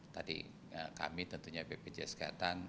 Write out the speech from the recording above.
tadi kami tentunya bpjs kesehatan